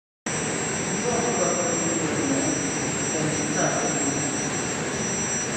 Mbɔ́ŋkʉɔ́ sɛ́ ḿpfútɛ lɔ́ꞌnɛ tɛ ńtsa pɛlʉ́m.